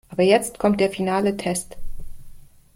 Aber jetzt kommt der finale Test.